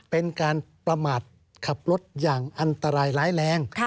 เป็นการประมาทขับรถอย่างอันตรายร้ายแรง